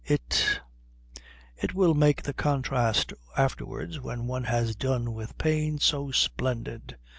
It it will make the contrast afterwards, when one has done with pain, so splendid."